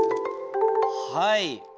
はい。